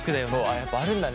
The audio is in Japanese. やっぱあるんだね。